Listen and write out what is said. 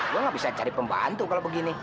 gue gak bisa cari pembantu kalau begini